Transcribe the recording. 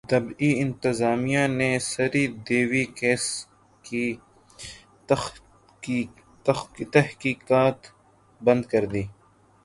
Dubai انتظامیہ نے Sri Devi case کی تحقیقات بند کردی